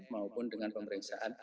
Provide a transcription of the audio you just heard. maupun dengan pemeriksaan swab